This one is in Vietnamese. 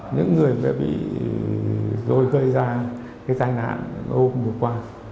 những người bị gây ra cái tai nạn hôm vừa qua